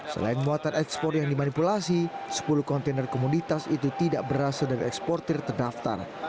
selain muatan ekspor yang dimanipulasi sepuluh kontainer komoditas itu tidak berasal dari eksportir terdaftar